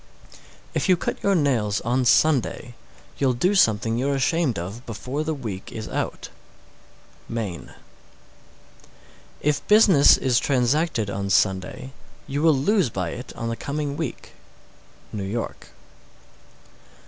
_ 618. If you cut your nails on Sunday, you'll do something you're ashamed of before the week is out. Maine. 619. If business is transacted on Sunday, you will lose by it on the coming week. _New York.